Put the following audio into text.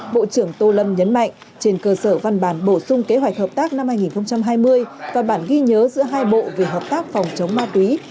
bộ trưởng tô lâm nhấn mạnh trên cơ sở văn bản bổ sung kế hoạch hợp tác năm hai nghìn hai mươi và bản ghi nhớ giữa hai bộ về hợp tác phòng chống ma túy